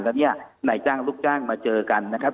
แล้วเนี่ยนายจ้างลูกจ้างมาเจอกันนะครับ